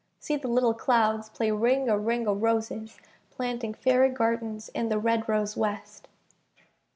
See the little clouds play Ring a ring o' roses, Planting Fairy gardens in the red rose West.